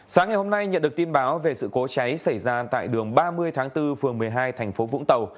sáng ngày hôm nay nhận được tin báo về sự cố cháy xảy ra tại đường ba mươi tháng bốn phường một mươi hai thành phố vũng tàu